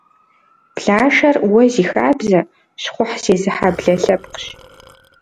Блашэр уэ зи хабзэ, щхъухь зезыхьэ блэ лъэпкъщ.